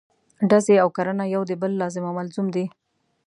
ډزې او کرنه یو د بل لازم او ملزوم دي.